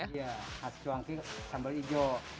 iya khas cuanki sambal ijo